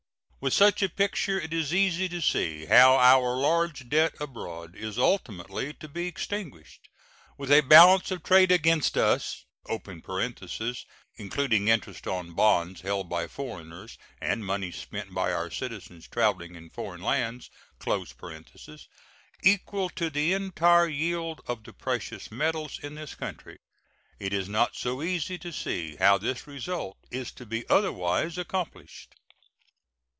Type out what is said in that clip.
With such a picture it is easy to see how our large debt abroad is ultimately to be extinguished. With a balance of trade against us (including interest on bonds held by foreigners and money spent by our citizens traveling in foreign lands) equal to the entire yield of the precious metals in this country, it is not so easy to see how this result is to be otherwise accomplished.